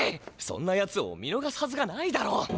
そんなやつを見のがすはずがないだろう。